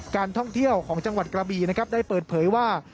การท่องเที่ยวของจังหวัดกระบีนะครับได้เปิดเผยว่า